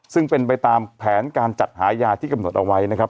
ซึ่งเป็นไปตามแผนการจัดหายาที่กำหนดเอาไว้นะครับ